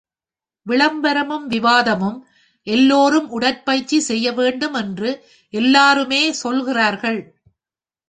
விளம்பரமும் விவாதமும் எல்லோரும் உடற்பயிற்சி செய்ய வேண்டும் என்று எல்லாருமே சொல்கிறார்கள்.